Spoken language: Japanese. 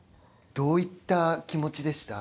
どういった気持ちでした？